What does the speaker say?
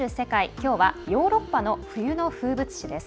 きょうはヨーロッパの冬の風物詩です。